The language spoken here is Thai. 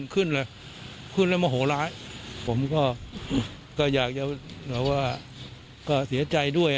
ขึ้นขึ้นมาโมโหละผมก็ก็อยากจะเขาว่าเต้อเสียใจด้วย